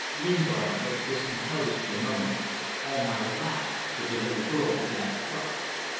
Lingard looked discomposed for a moment. Almayer laughed, but the little girl began to cry.